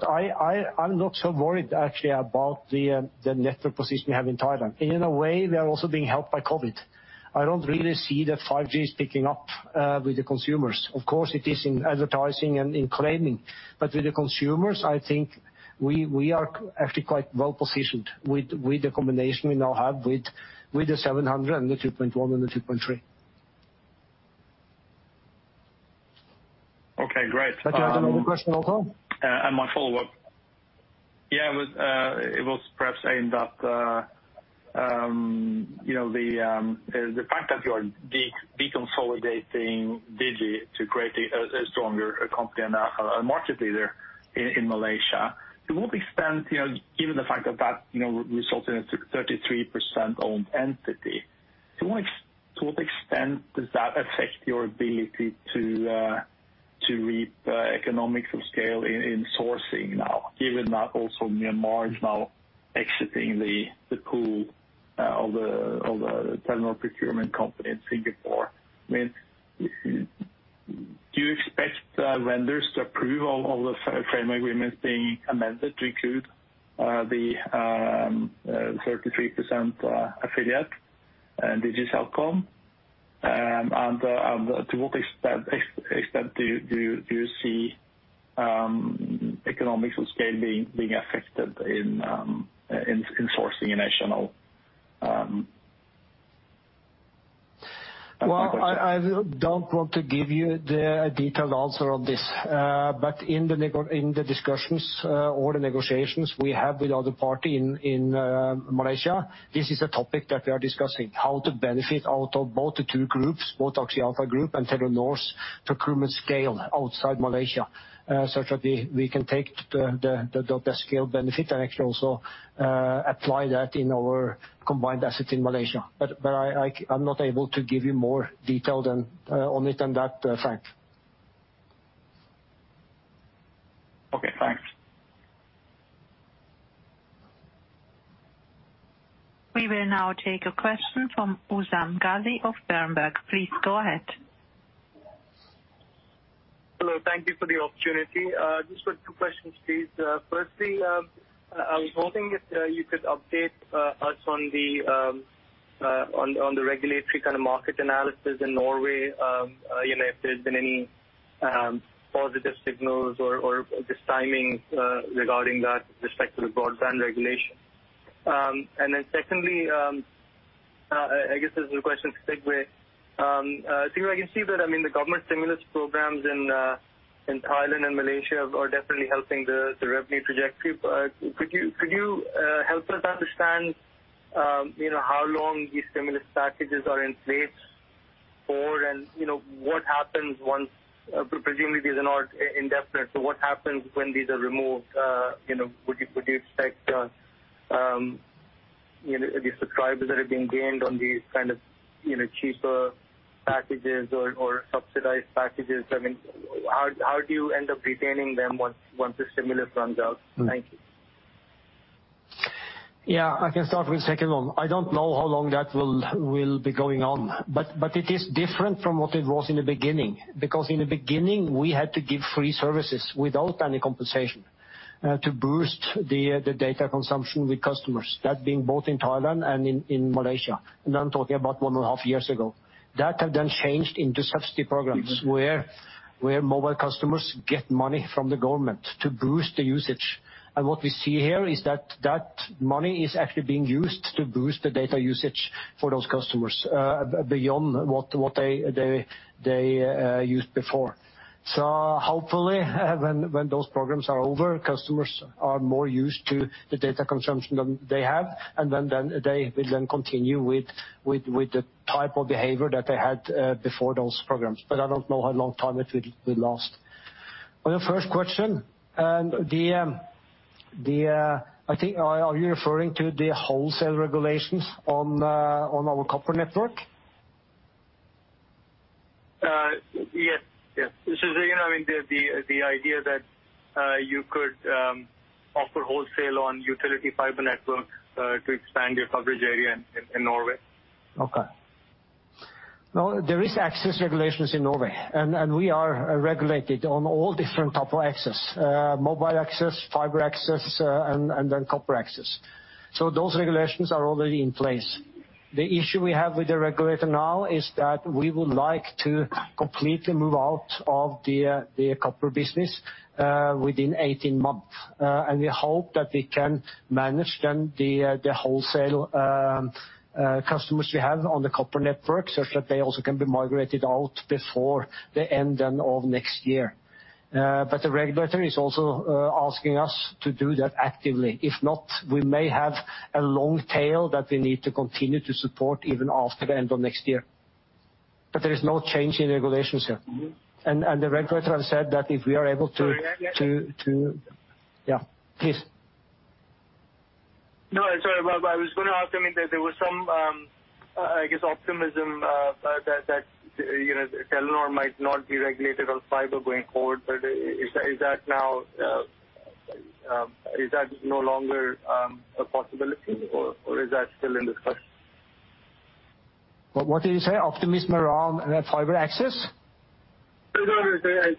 I'm not so worried actually about the network position we have in Thailand. In a way, we are also being helped by COVID. I don't really see that 5G is picking up with the consumers. Of course, it is in advertising and in claiming. With the consumers, I think we are actually quite well-positioned with the combination we now have with the 700 and the 2.1 and the 2.3. Hey, great. You have another question also. My follow-up. Yeah, it was perhaps aimed at the fact that you are deconsolidating Digi to create a stronger company and a market leader in Malaysia. To what extent, given the fact that that resulted in a 33% owned entity, to what extent does that affect your ability to reap economics of scale in sourcing now, given that also Myanmar is now exiting the pool of the Telenor procurement company in Singapore? Do you expect vendors to approve of the frame agreements being amended to include the 33% affiliate, CelcomDigi, and to what extent do you see economics of scale being affected in sourcing a national? Well, I don't want to give you the detailed answer on this. In the discussions or the negotiations we have with other party in Malaysia, this is a topic that we are discussing. How to benefit out of both the two groups, both Axiata Group and Telenor's procurement scale outside Malaysia, such that we can take the scale benefit and actually also apply that in our combined assets in Malaysia. I'm not able to give you more detail on it than that, Frank. Okay, thanks. We will now take a question from Usman Ghazi of Berenberg. Please go ahead. Hello. Thank you for the opportunity. Just got two questions, please. Firstly, I was hoping if you could update us on the regulatory kind of market analysis in Norway, if there's been any positive signals or just timing regarding that with respect to the broadband regulation. Secondly, I guess this is a question to Sigve. Sigve, I can see that, I mean, the government stimulus programs in Thailand and Malaysia are definitely helping the revenue trajectory. Could you help us understand how long these stimulus packages are in place for, and what happens once, presumably these are not indefinite, so what happens when these are removed? Would you expect the subscribers that have been gained on these kind of cheaper packages or subsidized packages, how do you end up retaining them once the stimulus runs out? Thank you. I can start with the second one. I don't know how long that will be going on, but it is different from what it was in the beginning. In the beginning, we had to give free services without any compensation to boost the data consumption with customers. That being both in Thailand and in Malaysia, and I'm talking about one and a half years ago. That has then changed into subsidy programs, where mobile customers get money from the government to boost the usage. What we see here is that that money is actually being used to boost the data usage for those customers beyond what they used before. Hopefully, when those programs are over, customers are more used to the data consumption than they have, they will then continue with the type of behavior that they had before those programs. I don't know how long time it will last. On your first question, are you referring to the wholesale regulations on our copper network? Yes. You know what I mean, the idea that you could offer wholesale on utility fiber network to expand your coverage area in Norway. No, there is access regulations in Norway, and we are regulated on all different type of access. Mobile access, fiber access, and then copper access. Those regulations are already in place. The issue we have with the regulator now is that we would like to completely move out of the copper business within 18 months. We hope that we can manage then the wholesale customers we have on the copper network such that they also can be migrated out before the end then of next year. The regulator is also asking us to do that actively. If not, we may have a long tail that we need to continue to support even after the end of next year. There is no change in regulations here. The regulator has said that. Yeah. Please. No, sorry. I was going to ask, I mean, there was some, I guess optimism that Telenor might not be regulated on fiber going forward. Is that no longer a possibility or is that still in discussion? What did you say? Optimism around fiber access? Yeah,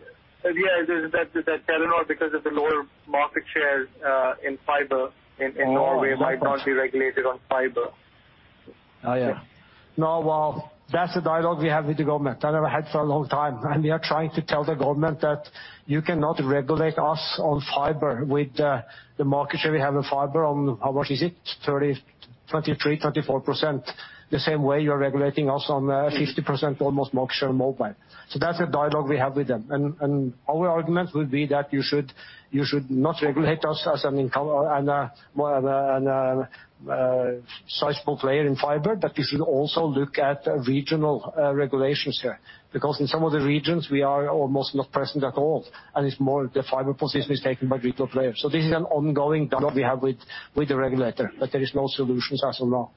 that Telenor, because of the lower market shares in fiber in Norway. Oh, I see. might not be regulated on fiber. Oh, yeah. No, well, that's the dialogue we have with the government that I've had for a long time. We are trying to tell the government that you cannot regulate us on fiber with the market share we have in fiber on, how much is it? 23%, 24%. The same way you are regulating us on 50% almost market share mobile. That's a dialogue we have with them. Our argument would be that you should not regulate us as a sizable player in fiber. You should also look at regional regulations here, because in some of the regions we are almost not present at all, and the fiber position is taken by retail players. This is an ongoing dialogue we have with the regulator. There is no solutions as of now.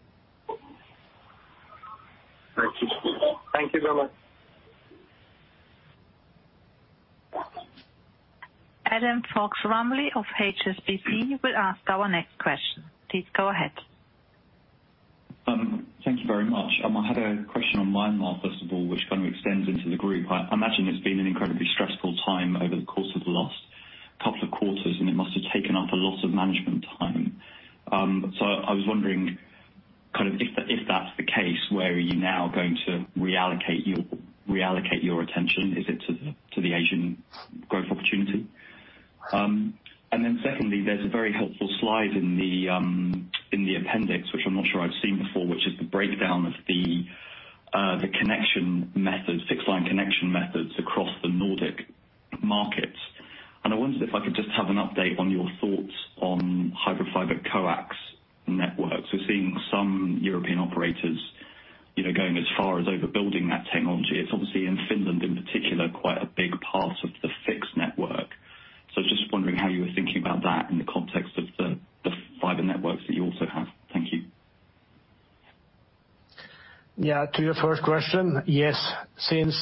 Thank you. Thank you very much. Adam Fox-Rumley of HSBC will ask our next question. Please go ahead. Thank you very much. I had a question on Myanmar first of all, which kind of extends into the group. I imagine it's been an incredibly stressful time over the course of the last couple of quarters, and it must have taken up a lot of management time. I was wondering, if that's the case, where are you now going to reallocate your attention? Is it to the Asian growth opportunity? Secondly, there's a very helpful slide in the appendix, which I'm not sure I'd seen before, which is the breakdown of the fixed line connection methods across the Nordic markets. I wondered if I could just have an update on your thoughts on hybrid fiber coax networks. We're seeing some European operators going as far as overbuilding that technology. It's obviously in Finland in particular, quite a big part of the fixed network. Just wondering how you were thinking about that in the context of the fiber networks that you also have. Thank you. To your first question, yes, since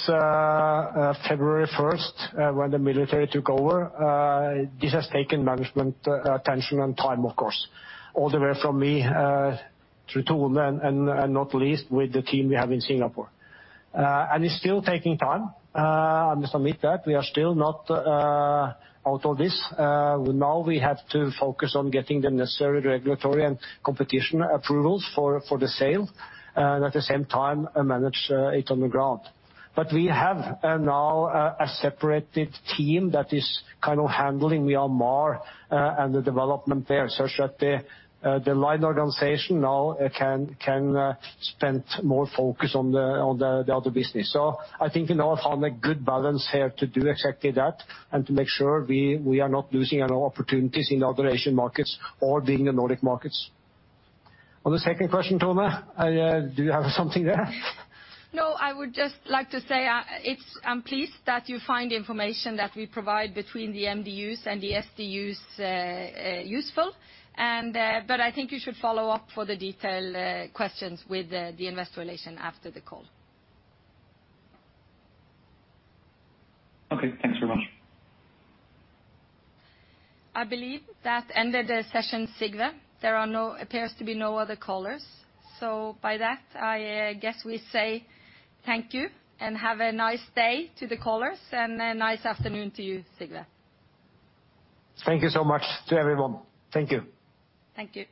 February 1st when the military took over, this has taken management attention and time, of course. All the way from me through Tone, not least with the team we have in Singapore. It's still taking time, I must admit that we are still not out of this. Now we have to focus on getting the necessary regulatory and competition approvals for the sale, and at the same time manage it on the ground. We have now a separated team that is handling the Myanmar and the development there, such that the line organization now can spend more focus on the other business. I think we now have found a good balance here to do exactly that, and to make sure we are not losing any opportunities in other Asian markets or being in Nordic markets. On the second question, Tone, do you have something there? I would just like to say, I'm pleased that you find the information that we provide between the MDUs and the SDUs useful. I think you should follow up for the detailed questions with the investor relation after the call. Okay, thanks very much. I believe that ended the session, Sigve. There appears to be no other callers. By that, I guess we say thank you and have a nice day to the callers, and a nice afternoon to you, Sigve. Thank you so much to everyone. Thank you. Thank you.